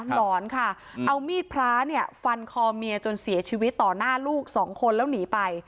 หลอนค่ะเอามีดพระเนี่ยฟันคอเมียจนเสียชีวิตต่อหน้าลูกสองคนแล้วหนีไป